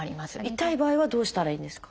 痛い場合はどうしたらいいんですか？